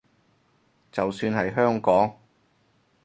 就算係香港